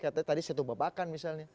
katanya tadi satu babakan misalnya